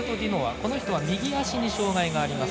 この人は右足に障がいがあります。